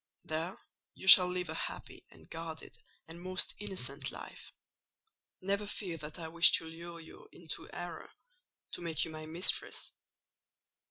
There you shall live a happy, and guarded, and most innocent life. Never fear that I wish to lure you into error—to make you my mistress.